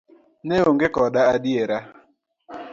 Ne oonge koda adiera.